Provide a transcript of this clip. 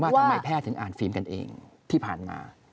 ทำไมแพทย์ถึงอ่านฟิล์มกันเองที่ผ่านมา